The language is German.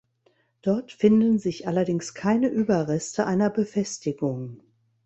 Dort finden sich allerdings keine Überreste einer Befestigung.